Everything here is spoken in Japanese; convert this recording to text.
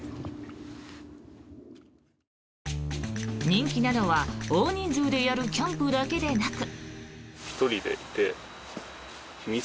人気なのは大人数でやるキャンプだけではなく。